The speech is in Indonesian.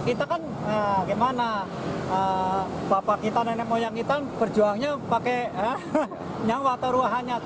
kita kan gimana bapak kita nenek moyang kita berjuangnya pakai nyawa atau ruahannya